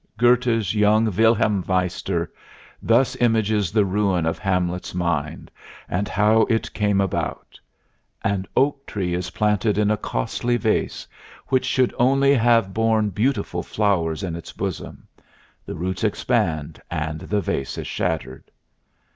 Goethe's young Wilhelm Meister thus images the ruin of Hamlet's mind and how it came about: "An oak tree is planted in a costly vase, which should only have borne beautiful flowers in its bosom; the roots expand and the vase is shattered."